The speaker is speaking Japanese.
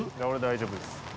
俺大丈夫です。